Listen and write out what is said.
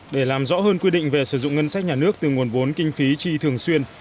để làm rõ hơn quy định về sử dụng ngân sách nhà nước từ nguồn vốn kinh phí tri thường xuyên